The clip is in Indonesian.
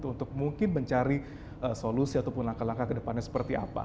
untuk mungkin mencari solusi ataupun langkah langkah ke depannya seperti apa